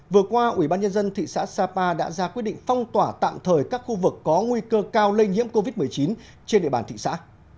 vừa qua ủy ban nhân dân thị xã sapa đã ra quyết định phong tỏa tạm thời các khu vực có nguy cơ cao lây nhiễm covid một mươi chín trên địa bàn thị xã